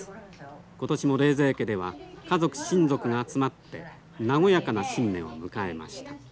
今年も冷泉家では家族・親族が集まって和やかな新年を迎えました。